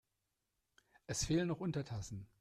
Es fehlen noch Untertassen.